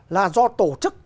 là do tổ chức